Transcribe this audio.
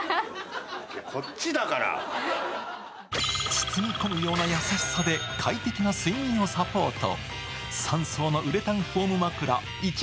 包み込むような優しさで快適な睡眠をサポート。